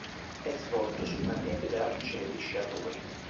È svolto sulla neve da arcieri sciatori.